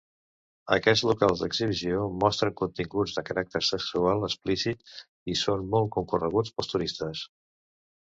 Aquests locals d'exhibició mostren continguts de caràcter sexual explícit, i són molt concorreguts pels turistes.